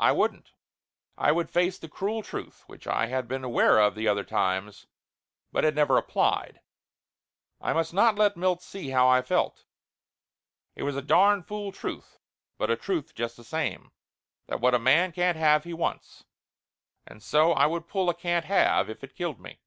I wouldn't. I would face the cruel truth which I had been aware of the other times but had never applied. I must not let Milt see how I felt. It was a darn fool truth, but a truth just the same, that what a man can't have he wants, and so I would pull a can't have, if it killed me.